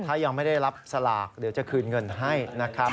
ถ้ายังไม่ได้รับสลากเดี๋ยวจะคืนเงินให้นะครับ